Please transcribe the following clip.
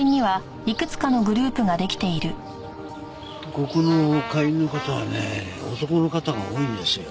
ここの会員の方はね男の方が多いんですよ。